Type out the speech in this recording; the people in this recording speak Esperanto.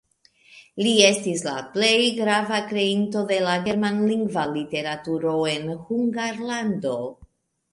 Li estis la plej grava kreinto de la germanlingva literaturo en Hungarlando.